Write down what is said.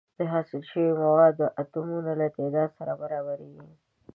د حاصل شوو موادو د اتومونو له تعداد سره برابریږي.